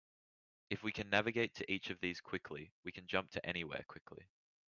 If we can navigate to each of these quickly, we can jump to anywhere quickly.